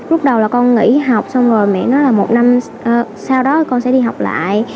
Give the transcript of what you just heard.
lúc đầu là con nghỉ học xong rồi mẹ nói là một năm sau đó con sẽ đi học lại